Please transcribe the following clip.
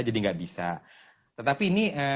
jadi gak bisa tetapi ini